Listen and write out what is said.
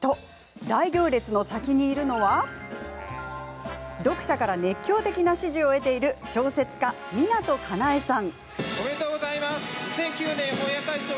大行列の先にいるのは読者から熱狂的な支持を得ている小説家・湊かなえさん。